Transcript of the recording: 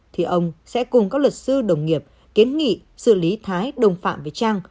thì ông sẽ cùng các luật sư đồng nghiệp kiến nghị xử lý thái đồng phạm với trang